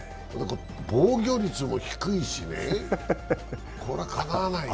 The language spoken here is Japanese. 防御率も低いしね、これはかなわないよね。